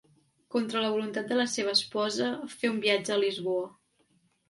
Contra la voluntat de la seva esposa, fer un viatge a Lisboa.